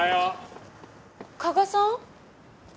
加賀さん？